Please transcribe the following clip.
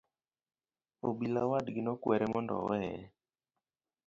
Obila wadgi nokwere mondo oweye.